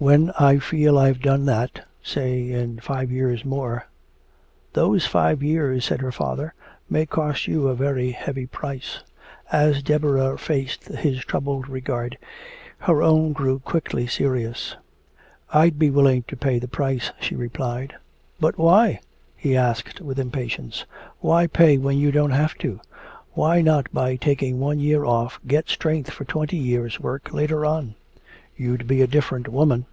When I feel I've done that, say in five years more " "Those five years," said her father, "may cost you a very heavy price." As Deborah faced his troubled regard, her own grew quickly serious. "I'd be willing to pay the price," she replied. "But why?" he asked with impatience. "Why pay when you don't have to? Why not by taking one year off get strength for twenty years' work later on? You'd be a different woman!"